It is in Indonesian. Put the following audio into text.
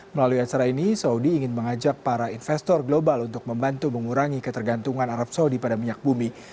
melalui acara ini saudi ingin mengajak para investor global untuk membantu mengurangi ketergantungan arab saudi pada minyak bumi